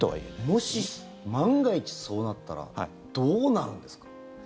もし万が一そうなったらどうなるんですか？